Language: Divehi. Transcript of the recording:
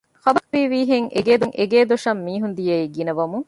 ޚަބަރު ވީވީހެން އެގޭ ދޮށަށް މީހުން ދިޔައީ ގިނަވަމުން